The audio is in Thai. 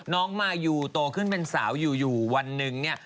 น้องมายูโตขึ้นเป็นสาวอยู่วันหนึ่งเนี่ย